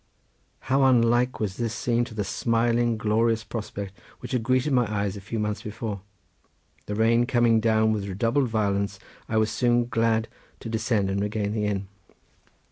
How unlike was this scene to the smiling, glorious prospect which had greeted my eyes a few months before. The rain coming down with redoubled violence I was soon glad to descend and regain the inn.